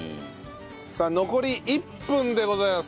さあ残り１分でございます。